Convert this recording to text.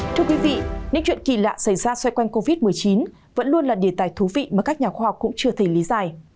thưa quý vị những chuyện kỳ lạ xảy ra xoay quanh covid một mươi chín vẫn luôn là đề tài thú vị mà các nhà khoa học cũng chưa thể lý giải